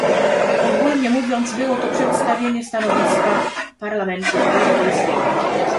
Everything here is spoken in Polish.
Ogólnie mówiąc było to przedstawienie stanowiska Parlamentu Europejskiego